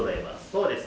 そうです。